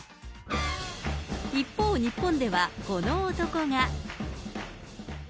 一方、日本ではこの男が。